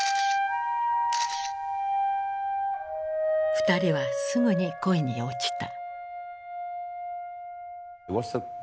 二人はすぐに恋に落ちた。